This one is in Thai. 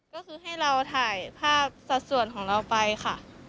ก็คือให้เราถ่ายภาพสัดส่วนของเราไปค่ะ